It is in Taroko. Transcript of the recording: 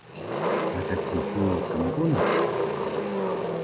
wada cmhungi knbunuh di